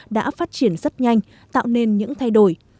đã phát triển rất nhanh tạo nên những thay đổi